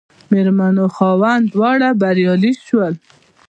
مېرمن او خاوند دواړه بریالي شول.